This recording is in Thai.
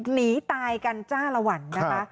หนีตายกันจ้าละวันนะคะ